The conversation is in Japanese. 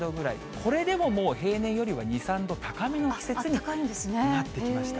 これでももう平年よりは２、３度高めの季節になってきました。